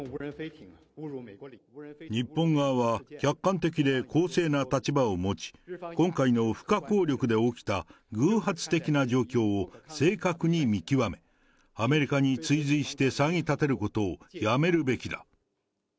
日本側は客観的で公正な立場を持ち、今回の不可抗力で起きた偶発的な状況を正確に見極め、アメリカに追随して騒ぎ立てることをやめるべきだ。